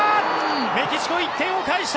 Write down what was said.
メキシコが１点を返した！